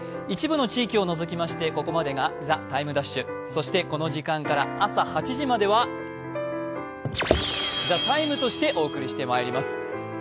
一部の地域を除きましてここまでが「ＴＨＥＴＩＭＥ’」そしてこの時間から朝８時までは「ＴＨＥＴＩＭＥ，」としてお送りしてまいります。